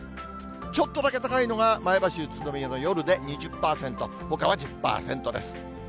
ちょっとだけ高いのが前橋、宇都宮の夜で２０％、ほかは１０％です。